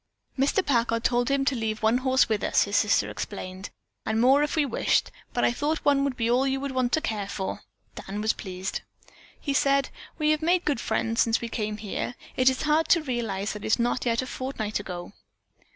"Mr. Packard told him to leave one horse with us," his sister explained, "and more if we wished, but I thought one would be all you would want to care for." Dan was pleased. He said: "We have made good friends since we came here. It is hard to realize that it is not yet a fortnight ago."